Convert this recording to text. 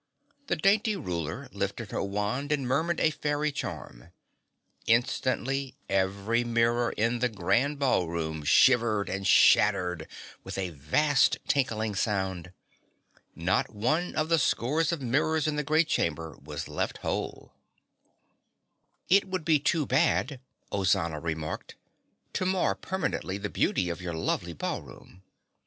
The dainty ruler lifted her wand and murmured a fairy charm. Instantly every mirror in the Grand Ballroom shivered and shattered with a vast, tinkling sound. Not one of the scores of mirrors in the great chamber was left whole. "It would be too bad," Ozana remarked, "to mar permanently the beauty of your lovely ballroom."